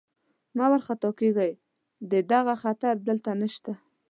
مه وارخطا کېږئ، د دغه خطر دلته نشته.